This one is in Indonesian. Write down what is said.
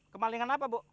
kemalingan apa bu